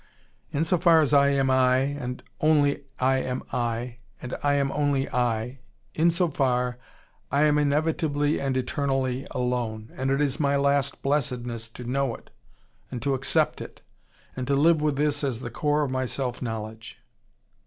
In so far as I am I, and only I am I, and I am only I, in so far, I am inevitably and eternally alone, and it is my last blessedness to know it, and to accept it, and to live with this as the core of my self knowledge."